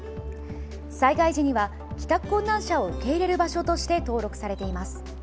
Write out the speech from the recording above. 災害時には帰宅困難者を受け入れる場所として登録されています。